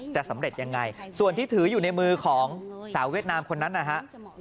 จะสำเร็จยังไงส่วนที่ถืออยู่ในมือของสาวเวียดนามคนนั้นนะฮะ